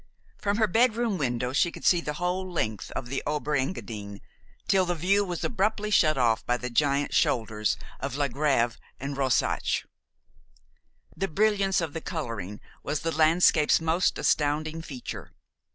From her bed room window she could see the whole length of the Ober Engadin, till the view was abruptly shut off by the giant shoulders of Lagrev and Rosatch. The brilliance of the coloring was the landscape's most astounding feature.